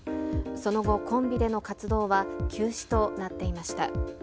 その後、コンビでの活動は休止となっていました。